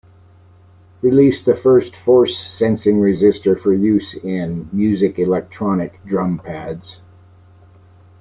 Released the first force-sensing resistor for use in music electronic drum pads.